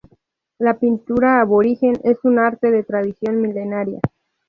La pintura aborigen es un arte de tradición milenaria.